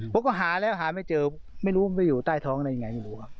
ผมก็หาแล้วหาไม่เจอไม่รู้ว่ามันไปอยู่ใต้ท้องอะไรยังไง